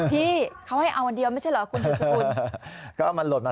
พี่เขาให้เอาอันเดียวไม่ใช่เหรอคุณดูสิคุณ